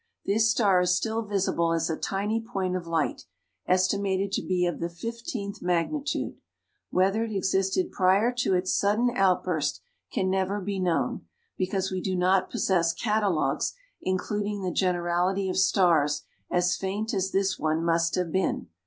This star is still visible as a tiny point of light, estimated to be of the fifteenth magnitude. Whether it existed prior to its sudden outburst can never be known, because we do not possess catalogues including the generality of stars as faint as this one must have been.